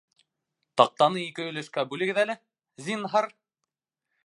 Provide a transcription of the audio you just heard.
Таҡтаны ике өлөшкә бүлегеҙ әле, зинһар